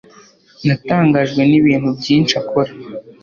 Natangajwe nibintu byinshi akora.